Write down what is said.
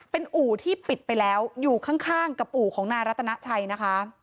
เป็นอู่ที่ปิดไปแล้วอยู่ข้างกับอู่ของนายรัตนาชัยนะคะ